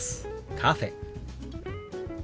「カフェ」。